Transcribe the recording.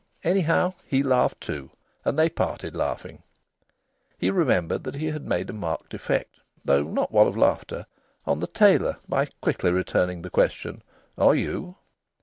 Anyhow, he laughed too, and they parted laughing. He remembered that he had made a marked effect (though not one of laughter) on the tailor by quickly returning the question, "Are you?"